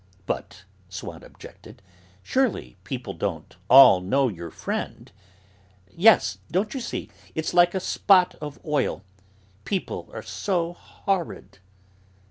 "But," Swann objected, "surely, people don't all know your friend." "Yes, don't you see, it's like a spot of oil; people are so horrid."